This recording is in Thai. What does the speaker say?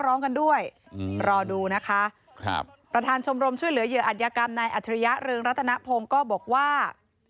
ร้องกันด้วยรอดูนะคะครับประธานชมรมช่วยเหลือเหยื่ออัตยกรรมนายอัจฉริยะเรืองรัตนพงศ์ก็บอกว่า